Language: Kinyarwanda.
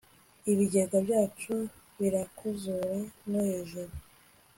ibigega byacu birakuzura no hejuru